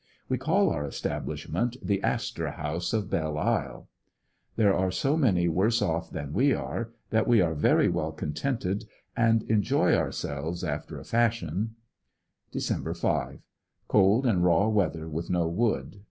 We call our establishment the " Astor House of Belle Isle." Tnere are so many worse off than we are that we are very well contented and enjoy ourselves after a fashion, Dec 5. — Cold and raw weather with no wood.